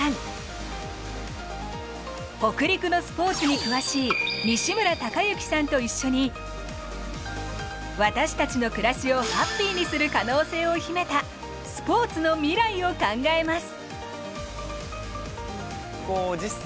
北陸のスポーツに詳しい西村貴之さんと一緒に私たちの暮らしをハッピーにする可能性を秘めたスポーツの未来を考えます。